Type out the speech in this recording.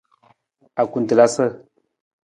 Akutelasa.